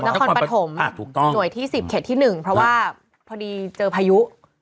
นครปฐมหน่วยที่๑๐เขตที่๑เพราะว่าพอดีเจอพายุ